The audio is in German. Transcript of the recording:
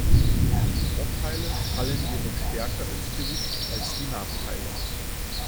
Die Vorteile fallen jedoch stärker ins Gewicht als die Nachteile.